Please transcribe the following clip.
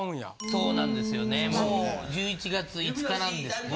そうなんですよね